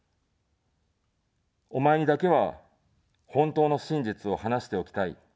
お前にだけは、本当の真実を話しておきたい。